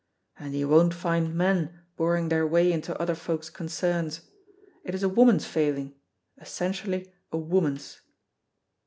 And you won't find men boring their way into other folk's concerns; it is a woman's failing, essentially a woman's."